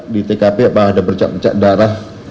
di tkp apa ada bercak bercak darah